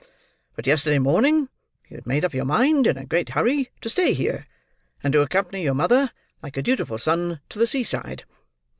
But yesterday morning you had made up your mind, in a great hurry, to stay here, and to accompany your mother, like a dutiful son, to the sea side.